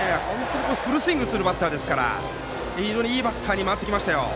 フルスイングするバッターですから非常にいいバッターに回ってきましたよ。